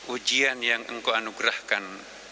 ujian yang engkau anugerahkan